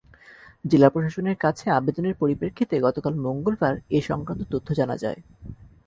জেলা প্রশাসনের কাছে আবেদনের পরিপ্রেক্ষিতে গতকাল মঙ্গলবার এ-সংক্রান্ত তথ্য জানা যায়।